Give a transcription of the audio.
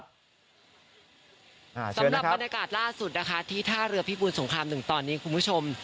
สำหรับบรรยากาศล่าสุดนะคะที่ท่าเรือพิบูรสงครามหนึ่งตอนนี้คุณผู้ชม